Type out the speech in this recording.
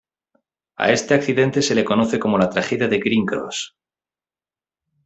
A este accidente se le conoce como la tragedia de Green Cross.